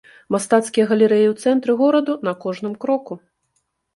Мастацкія галерэі ў цэнтры гораду на кожным кроку.